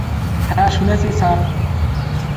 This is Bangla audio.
হ্যাঁ শুনেছি, স্যার।